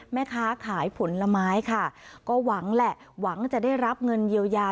แม่ค้าขายผลไม้ค่ะก็หวังแหละหวังจะได้รับเงินเยียวยา